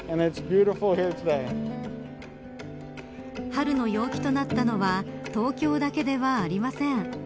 春の陽気となったのは東京だけではありません。